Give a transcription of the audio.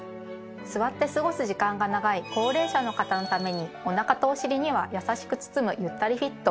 座って過ごす時間が長い高齢者の方のためにお腹とお尻にはやさしく包むゆったりフィット。